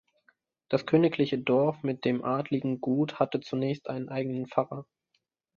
Das königliche Dorf mit dem adligen Gut hatte zunächst einen eigenen Pfarrer.